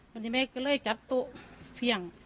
มันยังไม่ก็เลยจับโต๊ะเฟี่ยง